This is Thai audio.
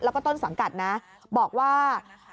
แล้วก็ต้นสังกัดนะบอกว่า